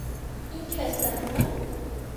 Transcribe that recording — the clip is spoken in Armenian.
Այնուհետև նա վերցնում էր մեկական քարտ և նայում դրանց։